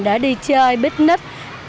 để đi chơi picnic